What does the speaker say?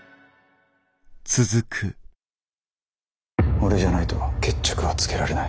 俺じゃないと決着はつけられない。